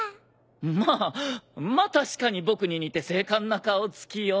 ままあ確かに僕に似て精悍な顔つきを。